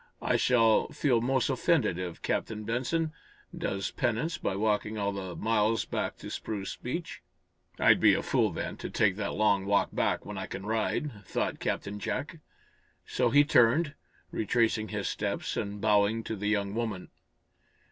"I shall feel most offended if Captain Benson does penance by walking all the miles back to Spruce Beach." "I'd be a fool, then, to take that long walk back, when I can ride," thought Captain Jack. So he turned, retracing his steps and bowing to the young woman.